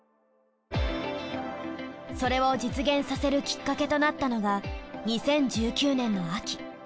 それを実現させるきっかけとなったのが２０１９年の秋。